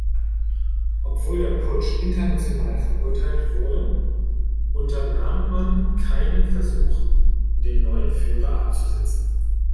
Obwohl der Putsch international verurteilt wurde, unternahm man keinen Versuch, den neuen Führer abzusetzen.